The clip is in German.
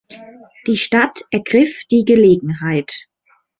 Die Stadt ergriff die Gelegenheit.